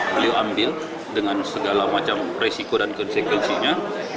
beliau ambil dengan segala macam resiko dan konsekuensinya